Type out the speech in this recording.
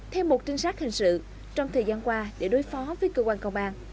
thêm một trinh sát hình sự trong thời gian qua để đối phó với cơ quan công an